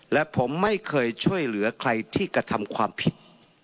และผมไม่เคยช่วยเหลือใครที่กระทำความผิด